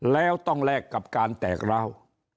แล้วต้องแลกกับการแตกร้าว